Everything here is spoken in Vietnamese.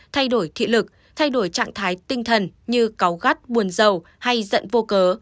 thay đổi thị lực thay đổi trạng thái tinh thần như cáu gắt buồn dầu hay giận vô cớ